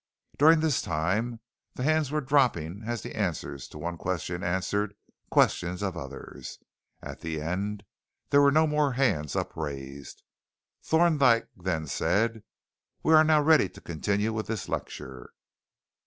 During this time, the hands were dropping as the answer to one question answered the questions of others. At the end, there were no more hands upraised. Thorndyke then said: "We are now ready to continue with this lecture."